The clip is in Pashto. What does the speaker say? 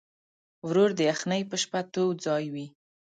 ورور د یخنۍ په شپه تود ځای وي.